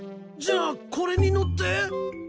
じゃあこれに乗って？